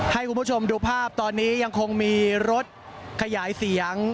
ให้คุณผู้ชมดูภาพตอนนี้ยังคงมีรถขยายเสียง